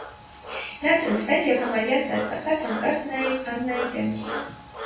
- Նա ցնցվեց և համարյա սարսափած հանկարծ նայեց Աննայի դեմքին: